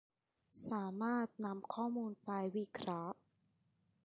สามารถนำข้อมูลไปวิเคราะห์